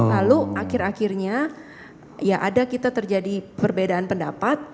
lalu akhir akhirnya ya ada kita terjadi perbedaan pendapat